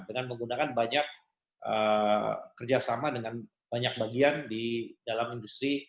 dengan menggunakan banyak kerjasama dengan banyak bagian di dalam industri